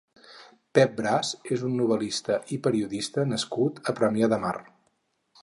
Pep Bras és un novel·lista i periodista nascut a Premià de Mar.